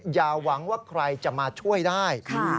อย่าหวังว่าใครจะมาช่วยได้